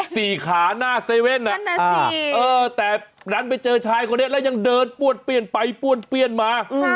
ขาหน้าเซเว่นแต่ดันไปเจอชายคนนี้แล้วยังเดินป้วนเปลี่ยนไปป้วนเปี้ยนมา